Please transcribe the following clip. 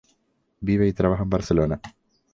Vive y trabaja en Barcelona.